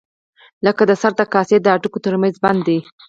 لکه د سر د کاسې د هډوکو تر منځ بند دی.